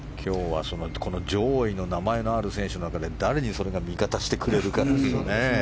上位に名前のある選手の中で誰にそれが味方してくれるかですよね。